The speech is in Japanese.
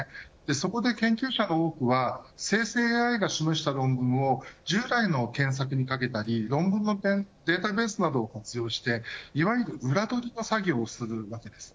そこで研究者の多くは生成ＡＩが示した論文を従来の検索にかけたり論文のデータベースなどを活用していわゆるウラ取りの作業をするわけです。